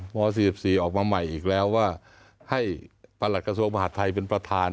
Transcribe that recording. ๔๔ออกมาใหม่อีกแล้วว่าให้ประหลัดกระทรวงมหาดไทยเป็นประธาน